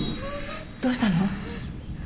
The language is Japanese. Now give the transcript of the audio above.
どうしたの？